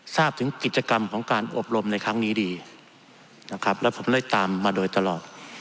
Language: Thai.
ทราบถึงกิจกรรมของการอบรมในครั้งนี้ดีนะครับแล้วผมเลยตามมาโดยตลอด